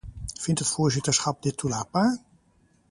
Vindt het voorzitterschap dit toelaatbaar?